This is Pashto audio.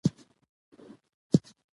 لمسۍ د زوی لور.